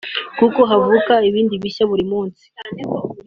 kuko havuka ibindi bishya buri munsi